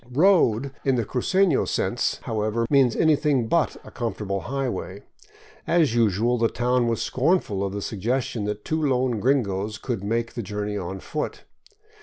" Road " in the cru cefio sense, however, means anything but a comfortable highway. As usual, the town was scornful of the suggestion that two lone gringos could make the journey on foot.